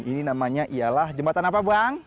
ini namanya ialah jembatan apa bang